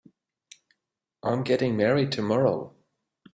I'm getting married tomorrow.